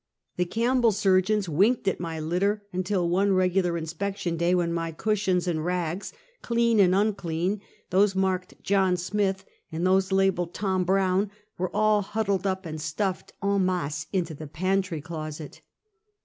The Campbell surgeons winked at my litter, until one regular in spection day, when my cushions and rags, clean and unclean, those marked John Smith, and those labeled Tom Brown, were all huddled up and stuffed en masse into the pantry closet.